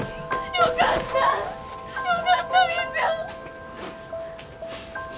よかったみーちゃん。